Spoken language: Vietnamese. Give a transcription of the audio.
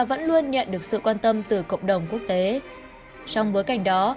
vẫn luôn nhận được sự quan tâm từ cộng đồng quốc tế trong bối cảnh đó